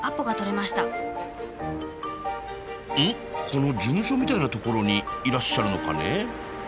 この事務所みたいなところにいらっしゃるのかね？